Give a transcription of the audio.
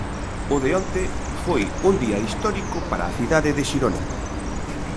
O de onte foi un día histórico para a cidade de Xirona.